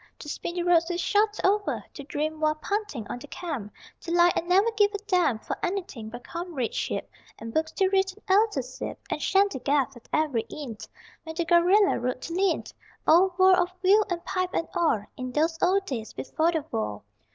To spin the roads with Shotover, To dream while punting on the Cam, To lie, and never give a damn For anything but comradeship And books to read and ale to sip, And shandygaff at every inn When The Gorilla rode to Lynn! O world of wheel and pipe and oar In those old days before the War.